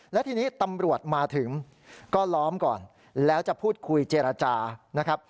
และทีนี้ตำรวจมาถึงก็ล้อมก่อนแล้วจะพูดคุยเจรจานะครับ